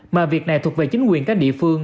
mà việc này thuộc về chính quyền các địa phương